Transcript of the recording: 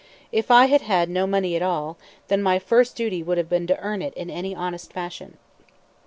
If I had had no money at all, then my first duty would have been to earn it in any honest fashion.